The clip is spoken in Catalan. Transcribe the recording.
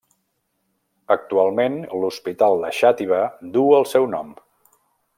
Actualment l'hospital de Xàtiva duu el seu nom.